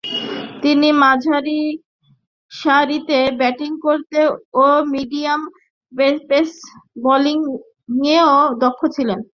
তিনি মাঝারিসারিতে ব্যাটিং করতেন ও মিডিয়াম পেস বোলিংয়ে দক্ষ ছিলেন।